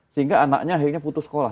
sehingga anaknya akhirnya putus sekolah